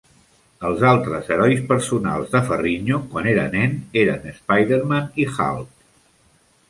Els altres herois personals de Ferrigno quan era nen eren Spiderman i Hulk.